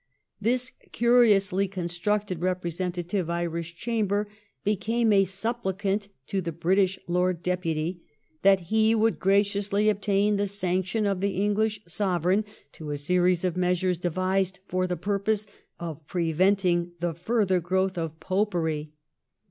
This curiously constructed representative Irish Chamber became a supphcant to the British Lord Deputy, that he would graciously obtain the sanction of the English Sovereign to a series of measures devised for the pur pose of preventing the further growth of Popery.